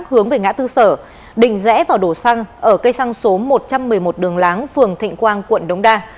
hướng về ngã tư sở đình rẽ vào đổ xăng ở cây xăng số một trăm một mươi một đường láng phường thịnh quang quận đống đa